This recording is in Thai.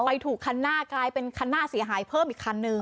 ไปถูกคันหน้ากลายเป็นคันหน้าเสียหายเพิ่มอีกคันนึง